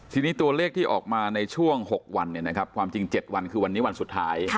ทีนี้ตัวเลขที่ออกมาในช่วงหกวันเนี่ยนะครับความจริงเจ็ดวันคือวันนี้วันสุดท้าย